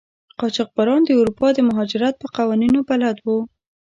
قاچاقبران د اروپا د مهاجرت په قوانینو بلد وو.